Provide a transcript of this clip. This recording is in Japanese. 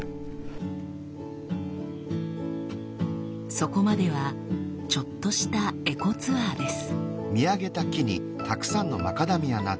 そこまではちょっとしたエコツアーです。